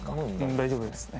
大丈夫ですね